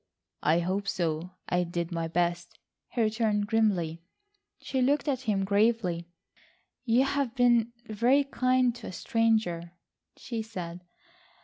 "I hope so, I did my best," he returned grimly. She looked at him gravely. "You have been very kind to a stranger," she said.